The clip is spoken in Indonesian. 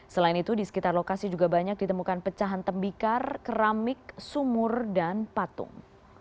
selain itu di sekitar lokasi juga banyak ditemukan pecahan tembikar keramik sumur dan patung